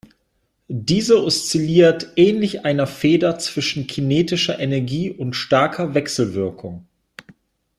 Diese oszilliert ähnlich einer Feder zwischen kinetischer Energie und starker Wechselwirkung.